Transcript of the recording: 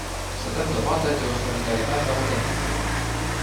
Să dăm dovadă de o solidaritate autentică.